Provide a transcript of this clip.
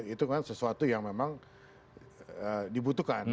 ya tentu itu sangat itu kan sesuatu yang memang dibutuhkan